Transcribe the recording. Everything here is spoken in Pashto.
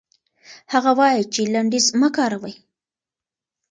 هغه وايي چې لنډيز مه کاروئ.